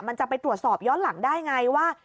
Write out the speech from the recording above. จะไปตรวจสอบย้อนหลังได้ไงว่า